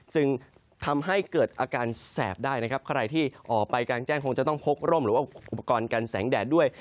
จึงทำให้เกิดอาการแสบได้นะครับใครที่ออกไปกลางแจ้งคงจะต้องพกร่มหรือว่าอุปกรณ์กันแสงแดดด้วย